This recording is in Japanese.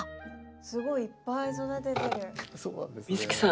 すごいいっぱい育ててる。